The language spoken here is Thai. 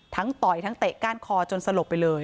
ต่อยทั้งเตะก้านคอจนสลบไปเลย